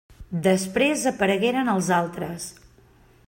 Després aparegueren els altres.